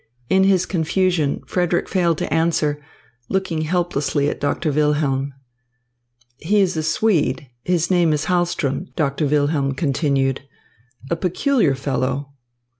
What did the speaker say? In his confusion Frederick failed to answer, looking helplessly at Doctor Wilhelm. "He is a Swede. His name is Hahlström," Doctor Wilhelm continued. "A peculiar fellow.